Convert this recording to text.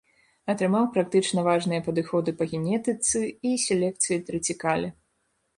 Атрымаў практычна важныя падыходы па генетыцы і селекцыі трыцікале.